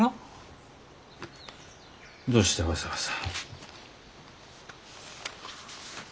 どうしてわざわざ。